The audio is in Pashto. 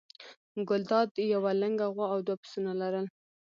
ګلداد یوه لنګه غوا او دوه پسونه لرل.